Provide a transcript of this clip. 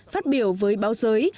phát biểu với báo giới